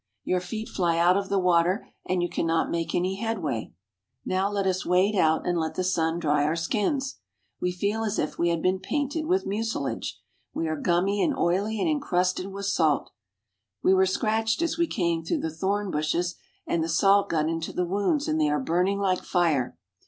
Your feet fly out of the water and you cannot make any headway. Now let us wade out and let the sun dry our skins. We feel as if we had been painted with mucilage. We are gummy and oily and incrusted with salt. We were scratched as we came through the thorn bushes and the salt got into the wounds and they are burning like fire.